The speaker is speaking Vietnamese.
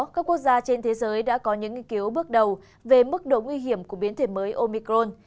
các quốc gia trên thế giới đã có những nghiên cứu bước đầu về mức độ nguy hiểm của biến thể mới omicron